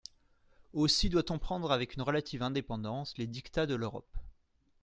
Aussi doit-on peut-être prendre avec une relative indépendance les diktats de l’Europe.